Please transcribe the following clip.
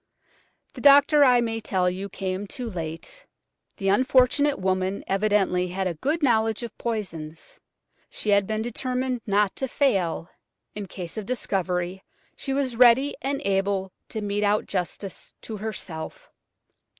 The doctor, I may tell you, came too late. The unfortunate woman evidently had a good knowledge of poisons. She had been determined not to fail; in case of discovery, she was ready and able to mete out justice to herself.